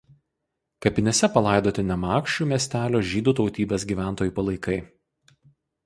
Kapinėse palaidoti Nemakščių miestelio žydų tautybės gyventojų palaikai.